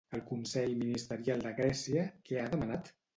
El Consell Ministerial de Grècia, què ha demanat?